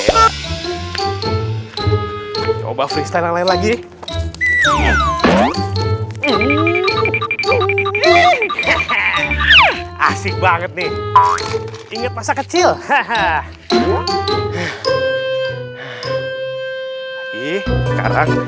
coba freestyle lagi asyik banget nih inget masa kecil hahaha